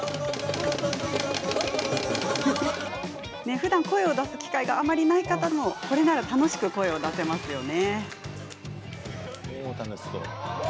ふだん声を出す機会があまりない方もこれなら楽しく声を出せますね。